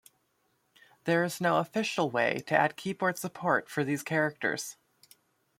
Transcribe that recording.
There is no official way to add keyboard support for these characters.